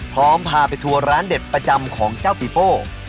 พาไปทัวร์ร้านเด็ดประจำของเจ้าปีโป้